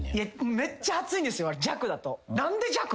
めっちゃ暑いんですよ弱だと。